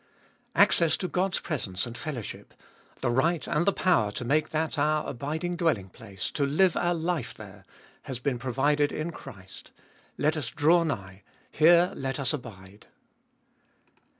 Access to God's presence and fellowship, the right and the power to make that our abid ing dwelling place, to live our life there, has been provided in Christ : let us draw nigh, here let us abide.